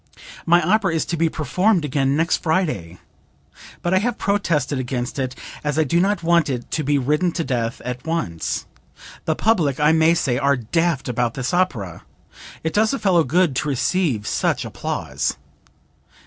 "My opera is to be performed again next Friday, but I have protested against it as I do not want it to be ridden to death at once. The public, I may say, are daft about this opera. It does a fellow good to receive such applause."